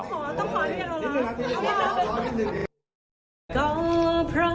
ต้องขอต้องขอให้เราร้อง